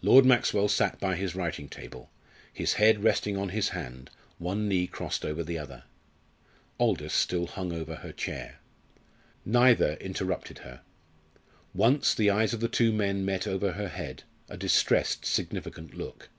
Lord Maxwell sat by his writing table, his head resting on his hand, one knee crossed over the other. Aldous still hung over her chair. Neither interrupted her. Once the eyes of the two men met over her head a distressed, significant look.